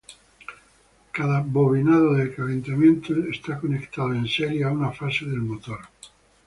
Cada bobinado de calentamiento está conectado en serie a una fase del motor.